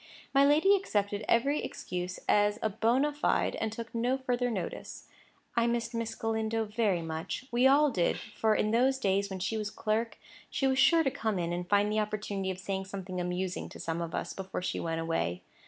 My lady accepted every excuse as bona fide, and took no further notice. I missed Miss Galindo very much; we all did; for, in the days when she was clerk, she was sure to come in and find the opportunity of saying something amusing to some of us before she went away.